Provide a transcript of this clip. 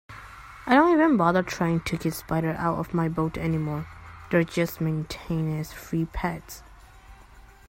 I don't even bother trying to get spiders out of my boat anymore, they're just maintenance-free pets.